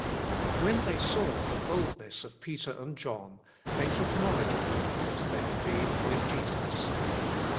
"When they saw the boldness of Peter and John they took knowledge of them, that they had been with Jesus."